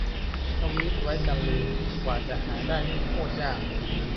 ทวีตไว้กันลืม กว่าจะหาได้นี่โคตรยาก